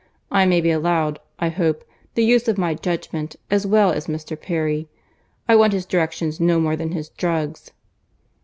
—I may be allowed, I hope, the use of my judgment as well as Mr. Perry.—I want his directions no more than his drugs."